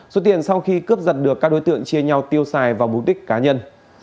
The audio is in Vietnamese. số tiền sau khi cướp giật được các đối tượng chia nhau tiêu xài vào mục đích cá nhân